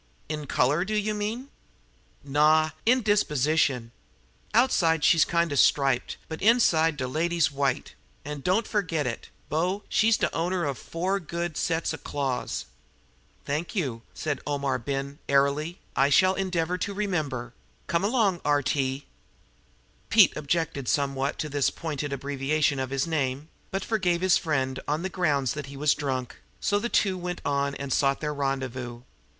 "In color, do you mean?" "Naw in disposition. Outside, she's kind of striped, but inside, de lady's white; an' don't yer fergit it, bo, she's de owner of four good sets of claws. "Thank you," said Omar Ben airily. "I shall endeavor to remember. Come along, R.T.!" Pete objected somewhat to this pointed abbreviation of his name, but forgave his friend on the grounds that he was drunk; so the two went on and sought their rendezvous.